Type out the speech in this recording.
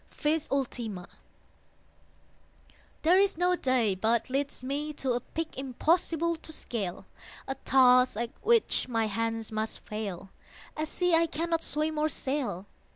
VIS ULTIMA There is no day but leads me to A peak impossible to scale, A task at which my hands must fail, A sea I cannot swim or sail.